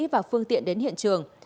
và phương tiện đến hiện trường